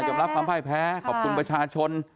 ยอมรับความแพ้ผลขอบคุณประชาชน